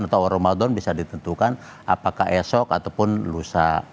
atau ramadan bisa ditentukan apakah esok ataupun lusa